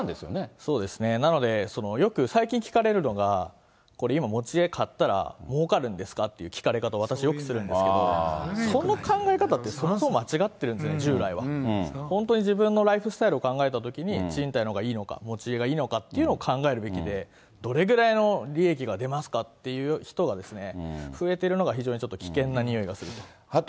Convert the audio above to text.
そうですね、なので、よく最近聞かれるのが、これ今、持ち家買ったら、もうかるんですかっていう聞かれ方を、私、よくするんですけれども、その考え方って、そもそも間違ってるんですよ、従来は、本当に自分のライフスタイルを考えたときに、賃貸のほうがいいのか、持ち家のほうがいいのかって考えるべきで、どれぐらいの利益が出ますか？っていう人が増えてるのは、非常にちょっと危険なにおいがすると。